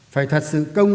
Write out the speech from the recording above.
phải thật sự công tâm